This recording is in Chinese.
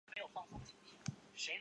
车站设有男女独立的冲洗式厕所。